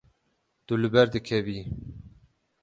Tu li ber dikevî.